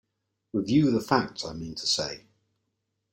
Review the facts, I mean to say.